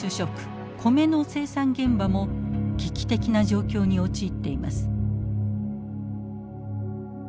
現場も危機的な状況に陥っています。